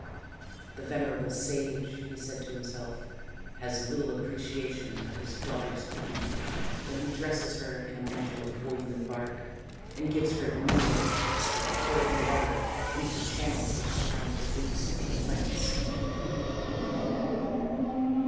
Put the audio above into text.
" The venerable sage," he said to himself, " has little appreciation of his daughter's beauty when he dresses her in a mantle of woven bark and gives her the menial task of pouring water into the channels which surround the roots of the plants."